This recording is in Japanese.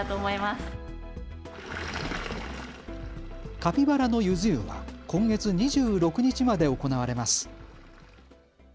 カピバラのゆず湯は今月２６日まで行われます。